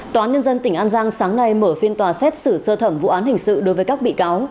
tòa án nhân dân tỉnh an giang sáng nay mở phiên tòa xét xử sơ thẩm vụ án hình sự đối với các bị cáo